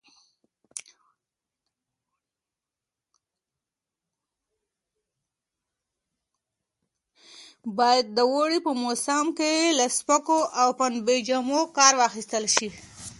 باید د اوړي په موسم کې له سپکو او پنبې جامو کار واخیستل شي.